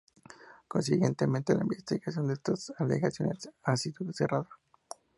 Consiguientemente, la investigación de estas alegaciones ha sido cerrada.